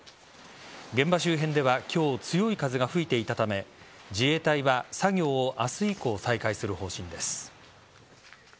現場周辺では今日強い風が吹いていたため自衛隊は作業を明日以降再開する方針です。